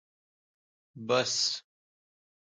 🚍 بس